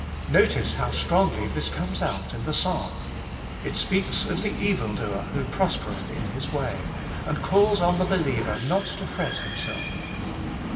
Notice how strongly this comes out in the psalm. It speaks of the evildoer who prospereth in his way, and calls on the believer not to fret himself.